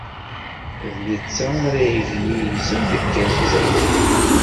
D netta ara yeglilzen deg yiẓẓan.